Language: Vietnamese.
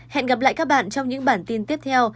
hẹn gặp lại các bạn trong những bản tin tiếp theo